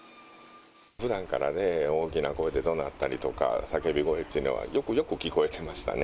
ふだんからね、大きな声でどなったりだとか、叫び声っていうのはよくよく聞こえてましたね。